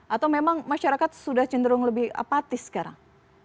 atau memang masyarakat sudah cenderung lebih apatis sekarang